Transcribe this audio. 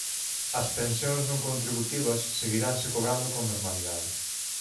As pensións non contributivas seguiranse cobrando con normalidade.